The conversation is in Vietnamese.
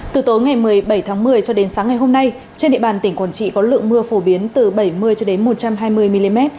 từ tối ngày một mươi bảy tháng một mươi cho đến sáng ngày hôm nay trên địa bàn tỉnh quản trị có lượng mưa phổ biến từ bảy mươi cho đến một trăm hai mươi mm